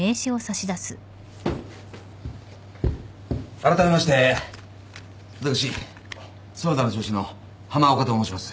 あらためまして私園田の上司の浜岡と申します。